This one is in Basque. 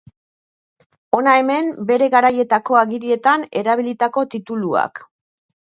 Hona hemen bere garaietako agirietan erabilitako tituluak.